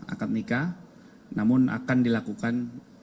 akan menikah namun akan dilakukan